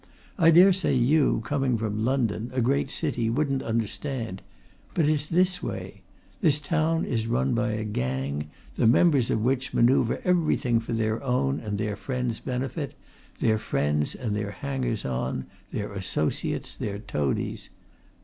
I dare say you, coming from London, a great city, wouldn't understand, but it's this way: this town is run by a gang, the members of which manoeuvre everything for their own and their friends' benefit, their friends and their hangers on, their associates, their toadies.